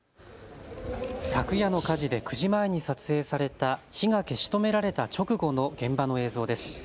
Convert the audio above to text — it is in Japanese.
昨夜の火事で９時前に撮影された火が消し止められた直後の現場の映像です。